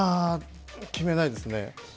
決めないですね。